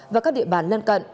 và các địa bàn lân cận